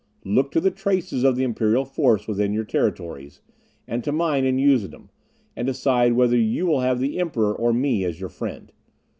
Look to the traces of the imperial force within your territories, and to mine in Usedom; and decide whether you will have the Emperor or me as your friend.